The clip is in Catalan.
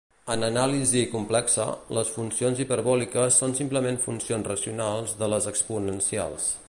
En anàlisi complexa, les funcions hiperbòliques són simplement funcions racionals de les exponencials.